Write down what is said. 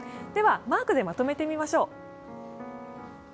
ではマークでまとめてみましょう。